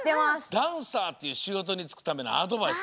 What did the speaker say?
ダンサーっていうしごとにつくためのアドバイス